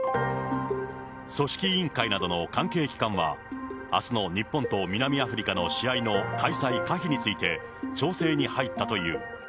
組織委員会などの関係機関は、あすの日本と南アフリカの試合の開催可否について、調整に入ったという。